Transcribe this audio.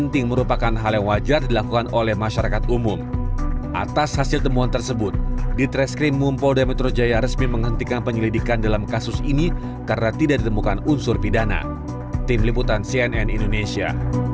tim liputan cnn indonesia